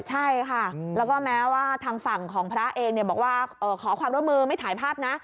ใช่ค่ะแล้วก็แม้ว่าทางฝั่งของพระเองบอกว่าขอความร่วมมือไม่ถ่ายภาพนะ